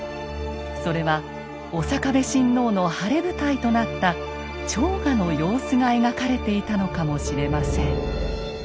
それは刑部親王の晴れ舞台となった朝賀の様子が描かれていたのかもしれません。